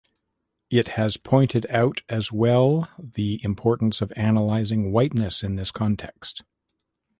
It has pointed out as well the importance of analysing "whiteness" in this context.